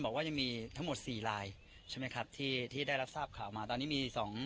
บอกว่ายังมีทั้งหมดสี่ลายใช่ไหมครับที่ที่ได้รับทราบข่าวมาตอนนี้มีสอง